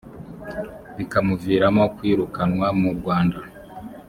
bikamuviramo kwirukanwa mu rwanda